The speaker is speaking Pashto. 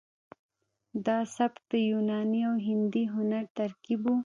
دا سبک د یوناني او هندي هنر ترکیب و